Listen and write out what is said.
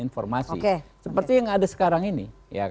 informasi seperti yang ada sekarang ini